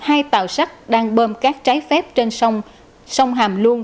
hai tàu sắt đang bơm các trái phép trên sông hàm luông